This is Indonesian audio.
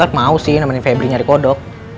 wad mau sih nemenin febri nyari kodok